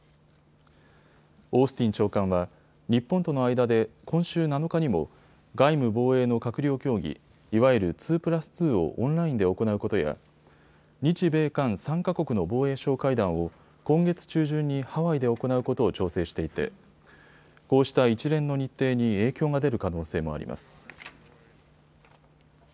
オースティン長官は日本との間で今週７日にも外務防衛の閣僚協議いわゆる２プラス２をオンラインで行うことや日米韓３か国の防衛相会談を今月中旬にハワイで行うことを調整していてこうした一連の日程に影響が出る可能性もあります。